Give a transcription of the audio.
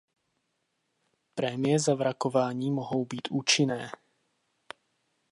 Prémie za vrakování mohou být účinné.